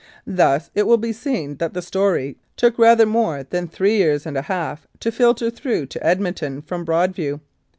Thus it will be seen that the story took rather more than three years and a half to filter through to Edmonton from Broadview.